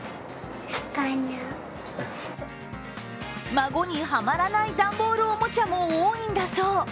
孫にハマらない段ボールおもちゃも多いんだそう。